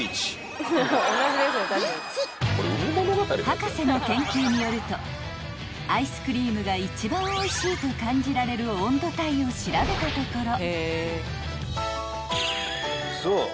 ［博士の研究によるとアイスクリームが一番おいしいと感じられる温度帯を調べたところ］